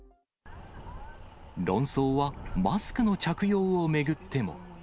論争はマスクの着用を巡っても。